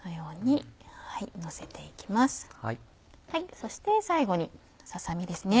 そして最後にささ身ですね。